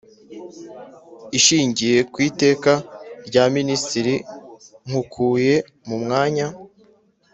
Ishingiye ku Iteka rya Ministiri nkukuye mumwanya